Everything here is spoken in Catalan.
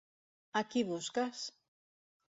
A qui busques?